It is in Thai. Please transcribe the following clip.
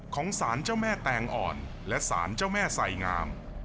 ของสารเจ้าแม่แตงอ่อนและสารเจ้าแม่ไสงาม